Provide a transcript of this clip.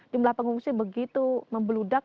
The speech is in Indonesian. jumlah pengungsi begitu membeludak